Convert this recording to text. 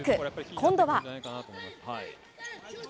今度は。